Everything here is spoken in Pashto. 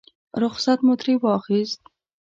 رخصت مو ترې واخیست.